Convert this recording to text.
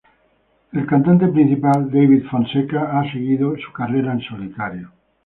El cantante principal David Fonseca ha seguido su carrera en solitario.